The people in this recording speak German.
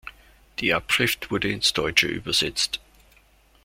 Die Abschrift wurde ins Deutsche übersetzt.